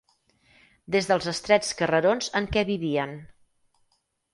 Des dels estrets carrerons en què vivien